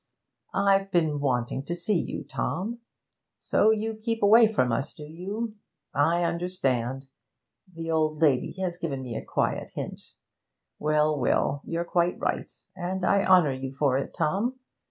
'I've been wanting to see you, Tom. So you keep away from us, do you? I understand. The old lady has given me a quiet hint. Well, well, you're quite right, and I honour you for it, Tom.